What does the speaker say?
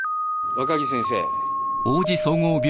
・若木先生。